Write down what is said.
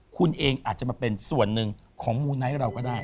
คุณเองอาจจะมาเป็นส่วนหนึ่งของมูไนท์เราก็ได้